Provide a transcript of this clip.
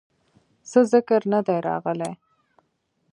څۀ ذکر نۀ دے راغلے